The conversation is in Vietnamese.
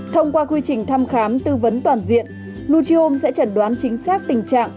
thông qua quy trình thăm khám tư vấn toàn diện nugi home sẽ trần đoán chính xác tình trạng